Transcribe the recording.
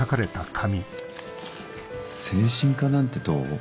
精神科なんてどう？